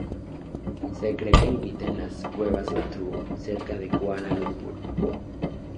Se cree que limita en las "Cuevas Batu", cerca de Kuala Lumpur.